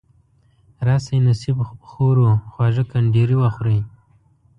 راشئ نصیب خورو خواږه کنډیري وخورئ.